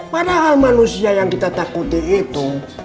padahal manusia yang kita takuti itu